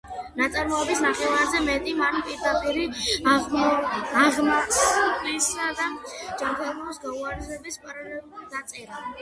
ნაწარმოების ნახევარზე მეტი მან პირადი აღმასვლისა და ჯანმრთელობის გაუარესების პარალელურად დაწერა